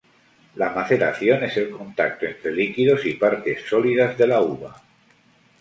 La maceración es el contacto entre líquido y partes sólidas de la uva.